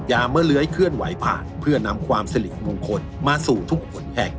เมื่อเลื้อยเคลื่อนไหวผ่านเพื่อนำความสิริมงคลมาสู่ทุกคนแห่ง